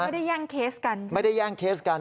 แย่งเคสกันไม่ได้แย่งเคสกัน